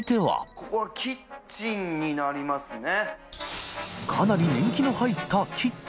ここはキッチンになりますね。